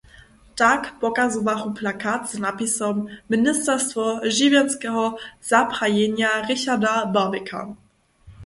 Tak pokazowachu plakat z napisom "Ministerstwo žiwjenskeho zaprajenja Richarda Brabeca".